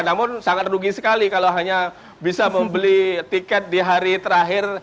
namun sangat rugi sekali kalau hanya bisa membeli tiket di hari terakhir